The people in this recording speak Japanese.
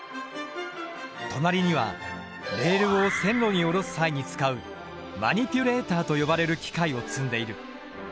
隣にはレールを線路に下ろす際に使うマニピュレーターと呼ばれる機械を積んでいる。